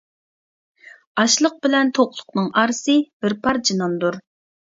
ئاچلىق بىلەن توقلۇقنىڭ ئارىسى بىر پارچە ناندۇر.